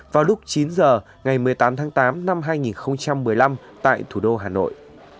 vào lúc chín h ngày một mươi tám tháng tám năm hai nghìn một mươi năm tại thủ đô hà nội